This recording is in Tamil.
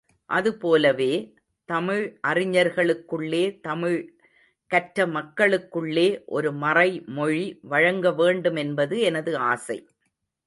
அதுபோலவே, தமிழ் அறிஞர்களுக்குள்ளே தமிழ் கற்றமக்களுக்குள்ளே ஒரு மறைமொழி வழங்கவேண்டும் என்பது எனது ஆசை.